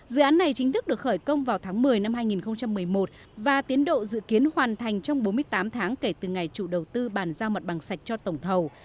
dự án này chính thức được khởi công vào tháng một mươi năm hai nghìn một mươi một và tiến độ dự kiến hoàn thành trong bốn mươi tám tháng kể từ ngày chủ đầu tư bàn giao mặt bằng sạch cho tổng thầu